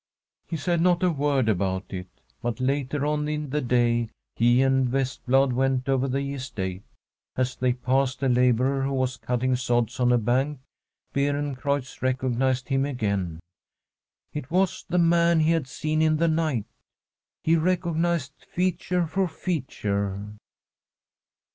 He said not a word about it. But later on in the day he and Vestblad went over the estate. As they passed a labourer who was cutting sods on a bank Beerencreutz recognised him again. It was the man he had seen in the night. He recog^sed feature for feature.